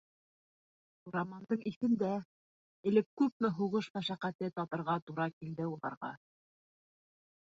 Сурамандың иҫендә: элек күпме һуғыш мәшәҡәте татырға тура килде уларға.